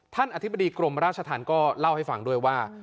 อธิบดีกรมราชธรรมก็เล่าให้ฟังด้วยว่า